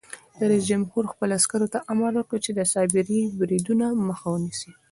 رئیس جمهور خپلو عسکرو ته امر وکړ؛ د سایبري بریدونو مخه ونیسئ!